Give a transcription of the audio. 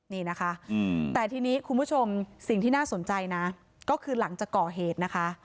นี่นะคะแต่ทีนี้คุณผู้ชมสิ่งที่น่าสนใจนะก็คือหลังจากก่อเหตุนะคะ